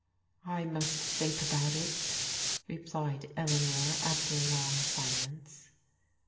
" I must think about it," replied Eleanor after a long silence.